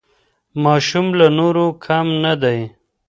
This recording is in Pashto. ماشوم له نورو کم نه دی.